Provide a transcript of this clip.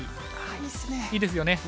いいですよね。